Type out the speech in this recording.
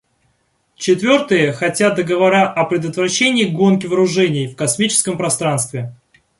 Четвертые хотят договора о предотвращении гонки вооружений в космическом пространстве.